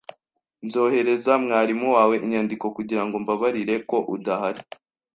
Nzohereza mwarimu wawe inyandiko kugirango mbabarire ko udahari